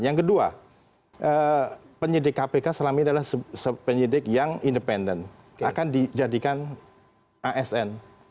yang kedua penyidik kpk selama ini adalah penyidik yang independen akan dijadikan asn